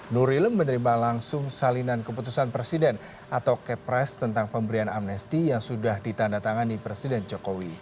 nuril menerima langsung salinan keputusan presiden atau kepres tentang pemberian amnesti yang sudah ditanda tangani presiden jokowi